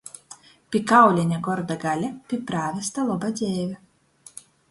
Pi kauleņa gorda gaļa, pi prāvesta loba dzeive.